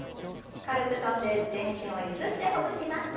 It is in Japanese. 軽く跳んで全身をゆすってほぐします。